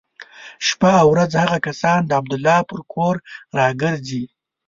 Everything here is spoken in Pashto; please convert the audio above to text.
شپه او ورځ هغه کسان د عبدالله پر کور را ګرځي.